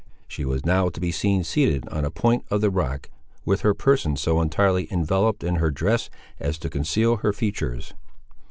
She was now to be seen seated on a point of the rock, with her person so entirely enveloped in her dress as to conceal her features.